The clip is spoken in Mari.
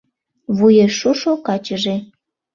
Вуешшушо качыже